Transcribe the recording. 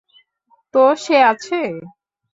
তো সে আছে?